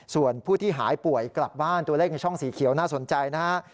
ส่วนผู้ที่หายป่วยกลับบ้านตัวเลขในช่องสีเขียวน่าสนใจนะฮะ